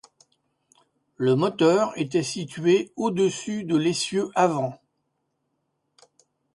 Le moteur était situé au-dessus de l'essieu avant.